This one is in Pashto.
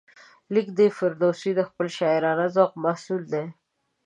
لیک د فردوسي د خپل شاعرانه ذوق محصول دی.